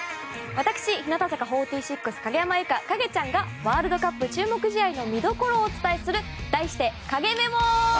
私、日向坂４６影ちゃんがワールドカップ注目試合の見どころをお伝えする題して、影メモ！